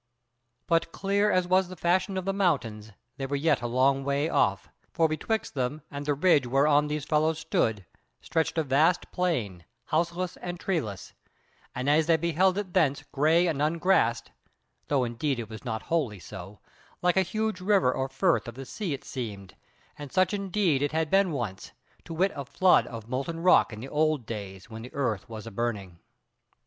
But clear as was the fashion of the mountains, they were yet a long way off: for betwixt them and the ridge whereon those fellows stood, stretched a vast plain, houseless and treeless, and, as they beheld it thence grey and ungrassed (though indeed it was not wholly so) like a huge river or firth of the sea it seemed, and such indeed it had been once, to wit a flood of molten rock in the old days when the earth was a burning.